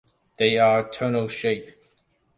They are tunnel-shaped.